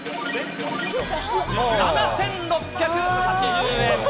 ７６８０円。